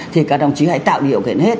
thì các đồng chí hãy tạo điều kiện hết